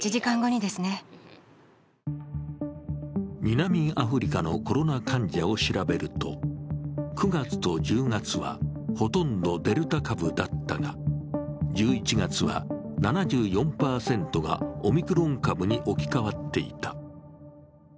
南アフリカのコロナ患者を調べると、９月と１０月はほとんどデルタ株だったが、１１月は７４％がオミクロン株に置き換わっていた。